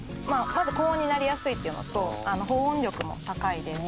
まず高温になりやすいっていうのと保温力も高いです。